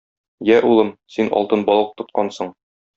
Йә, улым, син алтын балык тоткансың.